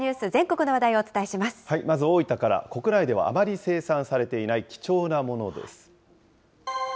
国内ではあまり生産されていない貴重なものです。